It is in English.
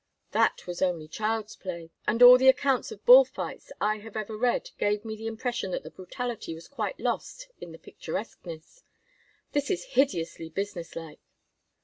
"That was only child's play. And all the accounts of bull fights I have ever read gave me the impression that the brutality was quite lost in the picturesqueness. This is hideously business like."